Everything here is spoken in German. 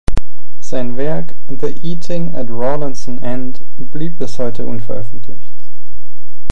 Sein Werk "The Eating at Rawlinson End" blieb bis heute unveröffentlicht.